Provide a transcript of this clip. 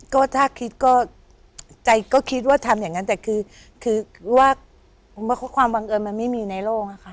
ก็ถ้าคิดก็ใจก็คิดว่าทำอย่างนั้นแต่คือว่าผมว่าความบังเอิญมันไม่มีในโลกนะคะ